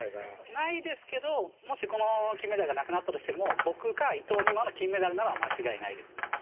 ないですけどもしこの金メダルがなくなったとしても僕か伊藤美誠の金メダルなのは間違いないですね。